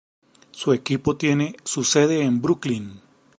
Su equipo tiene su sede en Brooklyn.